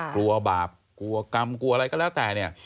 บาปกลัวกรรมกลัวอะไรก็แล้วแต่เนี่ย